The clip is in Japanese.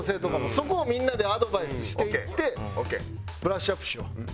そこをみんなでアドバイスしていってブラッシュアップしよう。